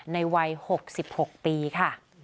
ในวัย๖๖ปีค่ะ